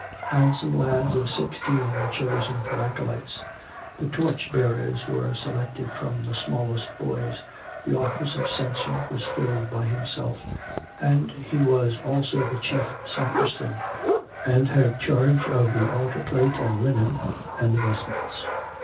Handsome lads of sixteen were chosen for acolytes; the torch bearers were selected from the smallest boys, the office of censer was filled by himself, and he was also the chief sacristan, and had charge of the altar plate and linen and the vestments.